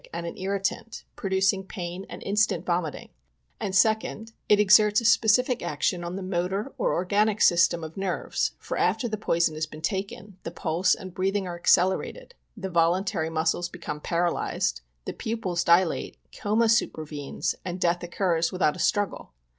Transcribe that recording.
and an irritant, producing pain, and instant vomiting ; and, (2d) it exerts a specific action on the motor or orgaAc sys tem of nerves ; for, after the poison has been taken, the pulse and breathing are accelerated, the voluntary muscles become paralyzed, the pupils dilate, coma supervenes, and death occurs without a struggle.